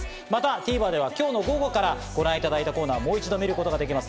ＴＶｅｒでは今日の午後からご覧いただいたコーナーをもう一度見ることができます。